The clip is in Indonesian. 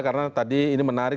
karena tadi ini menarik